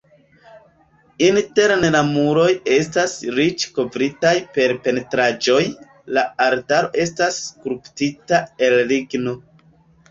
Interne la muroj estas riĉe kovritaj per pentraĵoj, la altaro estis skulptita el ligno.